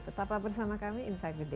tetap bersama kami insight with desi